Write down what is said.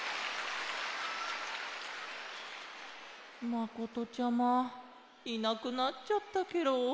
まことちゃまいなくなっちゃったケロ。